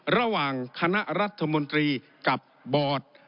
ระหว่างคณะรัฐมนตรีกับบอร์ด